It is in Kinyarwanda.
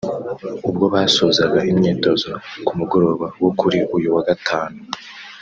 ubwo basozaga imyitozo ku mugoroba wo kuri uyu wa Gatanu